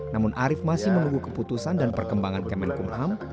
namun arief masih menunggu keputusan dan perkembangan kemenkumham